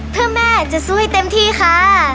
เพื่อแม่จะสู้ให้เต็มที่ค่ะ